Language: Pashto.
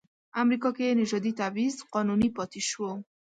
امریکا کې نژادي تبعیض قانوني پاتې شو.